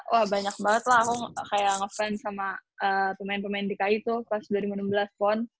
wah banyak banget lah aku kayak ngefans sama pemain pemain dki tuh pas dua ribu enam belas pon